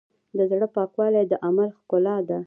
د زړۀ پاکوالی د عمل ښکلا ده.